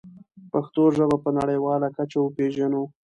پښتو ژبه په نړیواله کچه وپېژنو.